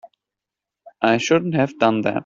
I shouldn't have done that.